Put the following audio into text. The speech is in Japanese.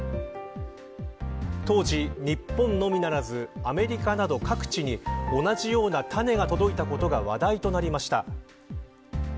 当時、日本のみならずアメリカなど各地に同じような種が届いたことが話題となりました。